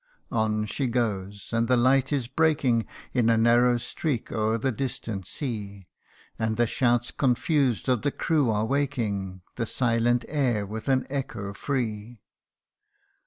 On she goes and the light is breaking In a narrow streak o'er the distant sea ; And the shouts confused of the crew are waking The silent air with an echo free. 142 THE UNDYING ONE.